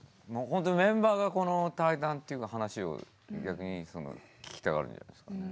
ほんとにメンバーがこの対談っていうか話を逆に聞きたがるんじゃないですかね。